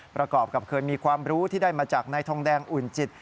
ประกอบกับเคยมีความรู้ที่ได้มาจากนายทองแดงอุ่นจิต